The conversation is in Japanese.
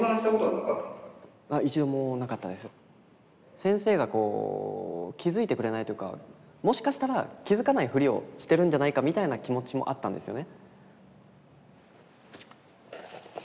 先生がこう気づいてくれないというかもしかしたら気づかないフリをしてるんじゃないかみたいな気持ちもあったんですよね。